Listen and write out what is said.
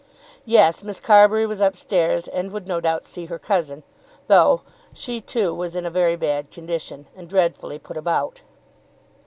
Yes; Miss Carbury was up stairs; and would no doubt see her cousin, though she, too, was in a very bad condition; and dreadfully put about.